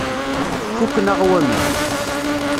Fukken-aɣ waman.